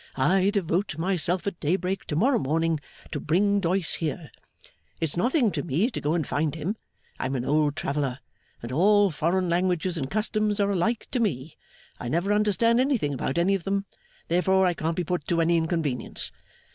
I devote myself at daybreak to morrow morning, to bringing Doyce here. It's nothing to me to go and find him. I'm an old traveller, and all foreign languages and customs are alike to me I never understand anything about any of 'em. Therefore I can't be put to any inconvenience.